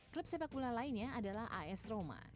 klub sepak bola lainnya adalah as roman